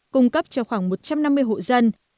cung cấp cho khoảng một trăm năm mươi hộ dân